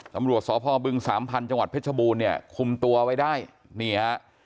สมรวจสพบึง๓พันธุ์จังหวัดเพชรบูนเนี่ยคุมตัวไว้ได้